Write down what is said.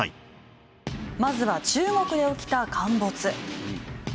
まずは中国で起きた陥没。